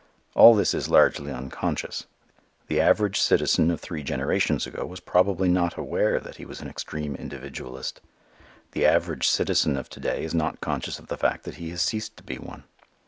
All this is largely unconscious. The average citizen of three generations ago was probably not aware that he was an extreme individualist. The average citizen of to day is not conscious of the fact that he has ceased to be one.